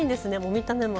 見た目も。